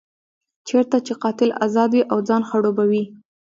چېرته چې قاتل ازاد وي او ځان خړوبوي.